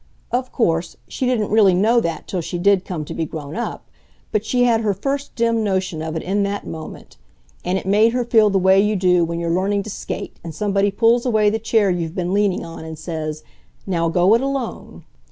Of course, she didn't really know that till she did come to be grown up, but she had her first dim notion of it in that moment, and it made her feel the way you do when you're learning to skate and somebody pulls away the chair you've been leaning on and says, "Now, go it alone!"